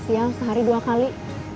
waktu itu aku siang sehari dua kali